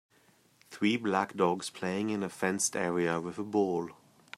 Three black dogs playing in a fenced area with a ball.